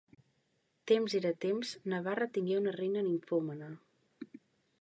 Temps era temps Navarra tingué una reina nimfòmana.